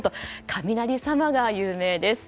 雷様が有名です。